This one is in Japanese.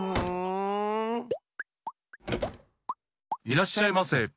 いらっしゃいませ！